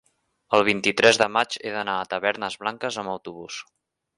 El vint-i-tres de maig he d'anar a Tavernes Blanques amb autobús.